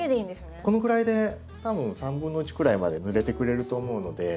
このくらいで多分1/3くらいまでぬれてくれると思うので。